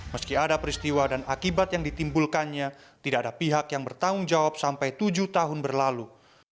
meski ada peristiwa dan akibat yang ditimbulkannya tidak ada pihak yang bertanggung jawab sampai tujuh tahun berlalu